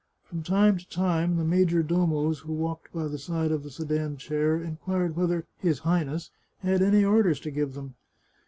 From time to time the major domos who walked by the side of the sedan chair inquired whether " his Highness " had any orders to give them.